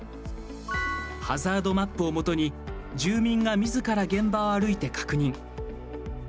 ハザードマップをもとに住民がみずから現場を歩いて確認。